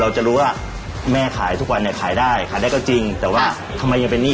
ก็คือถูกมากแล้วแหละสุดไปเลย